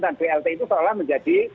dan blt itu seolah menjadi